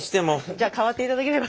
じゃあ代わっていただければ。